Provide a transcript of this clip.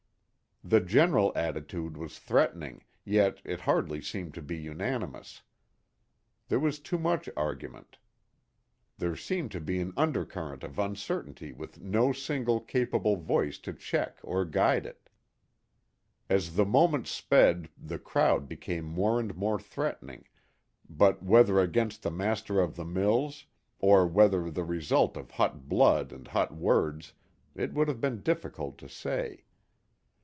The general attitude was threatening, yet it hardly seemed to be unanimous. There was too much argument. There seemed to be an undercurrent of uncertainty with no single, capable voice to check or guide it. As the moments sped the crowd became more and more threatening, but whether against the master of the mills, or whether the result of hot blood and hot words, it would have been difficult to say.